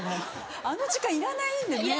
あの時間いらないんでね